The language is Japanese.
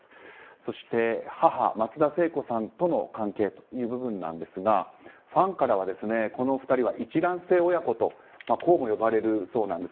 そして、母・松田聖子さんとの関係という部分ですがファンからはこの２人は一卵性親子とこうも呼ばれるそうなんです。